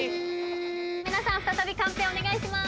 皆さん再びカンペお願いします